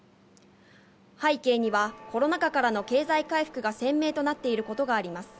背景には、コロナ禍からの経済回復が鮮明となっていることがあります。